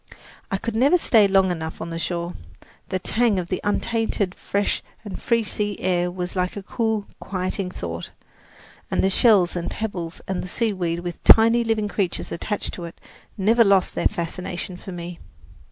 I could never stay long enough on the shore. The tang of the untainted, fresh and free sea air was like a cool, quieting thought, and the shells and pebbles and the seaweed with tiny living creatures attached to it never lost their fascination for me.